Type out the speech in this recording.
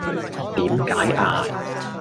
點解呀